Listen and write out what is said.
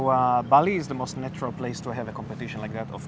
jadi bali adalah tempat yang paling natural untuk memiliki kompetisi seperti itu tentu saja